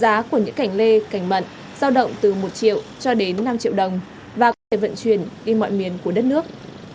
giá của những cảnh lê cảnh mận giao động từ một triệu cho đến năm triệu đồng và có thể vận chuyển đi mọi miền của đất nước